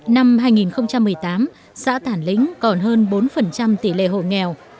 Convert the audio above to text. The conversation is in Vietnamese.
năm hai nghìn một mươi tám xã tản lính còn hơn bốn tỷ lệ hộ nghèo